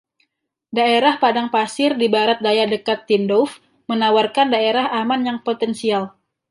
Daerah padang pasir di barat daya dekat Tindouf menawarkan daerah aman yang potensial.